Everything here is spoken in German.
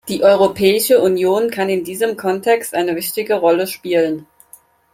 Die Europäische Union kann in diesem Kontext eine wichtige Rolle spielen.